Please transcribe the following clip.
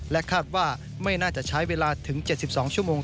คาดว่าไม่น่าจะใช้เวลาถึง๗๒ชั่วโมง